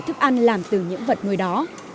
thức ăn làm từ những vật nuôi đó